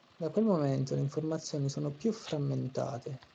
Da quel momento le informazioni sono più frammentate.